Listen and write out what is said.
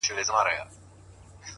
o پاس توتكۍ راپسي مه ږغـوه،